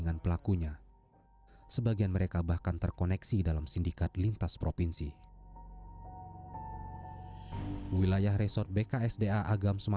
menuju ke luar negeri baik itu ke tiongkok ataupun ke hongkong